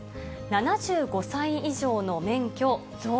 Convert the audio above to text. ７５歳以上の免許増。